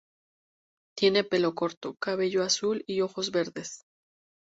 Tiene pelo corto, cabello azul y ojos verdes.